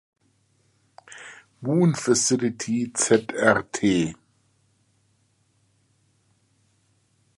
Moon Facility Zrt.